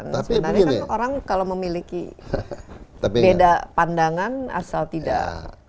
sebenarnya kan orang kalau memiliki beda pandangan asal tidak